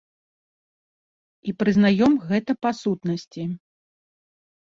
І прызнаём гэта па сутнасці.